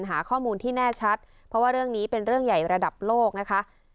หาข้อมูลที่แน่ชัดเพราะว่าเรื่องนี้เป็นเรื่องใหญ่ระดับโลกนะคะ